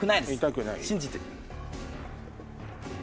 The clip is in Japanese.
痛くないです信じて。